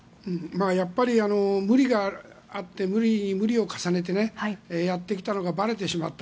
やっぱり無理があって無理に無理を重ねてやってきたのがばれてしまった。